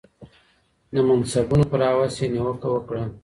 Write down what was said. د منصبونو پر هوس یې نیوکه وکړه